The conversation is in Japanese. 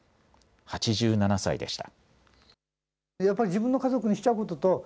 ８７歳でした。